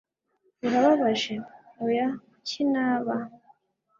Urababaje?" "Oya. Kuki naba?"